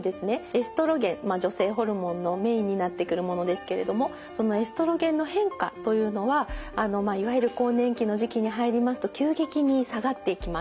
エストロゲン女性ホルモンのメインになってくるものですけれどもそのエストロゲンの変化というのはいわゆる更年期の時期に入りますと急激に下がっていきます。